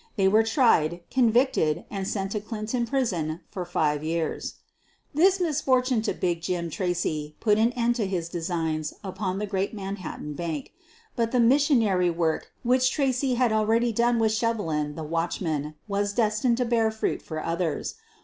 They were tried, convicted, and sent to Clinton Prison for five years. TWs misfortune to "Big Jim" Tracy put am end QUEEN OP THE BURGLARS 149 to his designs upon the great Manhattan Bank. But the missionary work which Tracy had already done with Shevelin, the watchman, was destined to bear fruit for others.